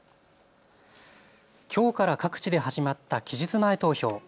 きょうから各地で始まった期日前投票。